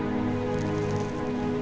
aku itu sama temen